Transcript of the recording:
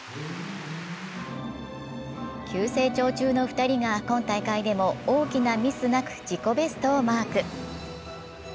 急成長中の２人が今大会でも大きなミスなく自己ベストをマーク。